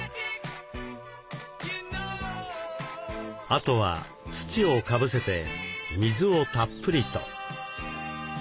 あとは土をかぶせて水をたっぷりと。